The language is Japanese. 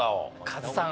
カズさん